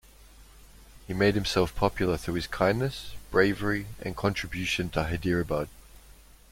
He made himself popular through his kindness, bravery and contribution to Hyderabad.